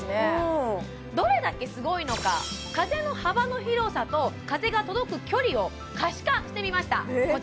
うんどれだけすごいのか風の幅の広さと風が届く距離を可視化してみましたえっ